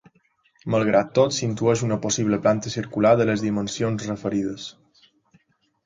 Malgrat tot s'intueix una possible planta circular de les dimensions referides.